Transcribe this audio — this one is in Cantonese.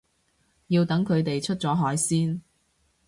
要等佢哋出咗海先